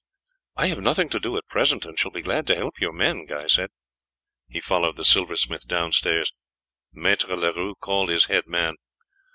"I have nothing to do at present, and shall be glad to help your men," Guy said. He followed the silversmith downstairs. Maître Leroux called his head man.